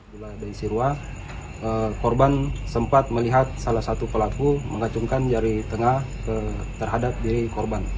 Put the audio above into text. di jalan abdullah daim siroa korban sempat melihat salah satu pelaku mengacungkan jari tengah terhadap diri korban